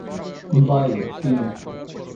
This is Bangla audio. By, fin.